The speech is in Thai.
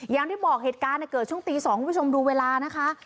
อย่างที่บอกเหตุการณ์เกิดช่วงตี๒คุณผู้ชมดูเวลานะคะ